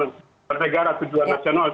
negara tujuan nasional